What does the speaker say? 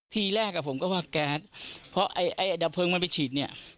ทีแรกผมก็ว่าแก๊สเพราะไอดาเพิงมันไปฉีด